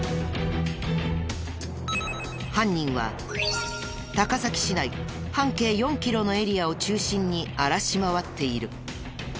犯人は高崎市内半径４キロのエリアを中心に荒らし回っている。